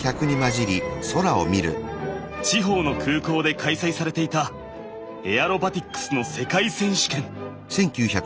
地方の空港で開催されていたエアロバティックスの世界選手権。